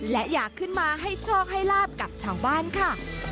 และอยากขึ้นมาให้โชคให้ลาบกับชาวบ้านค่ะ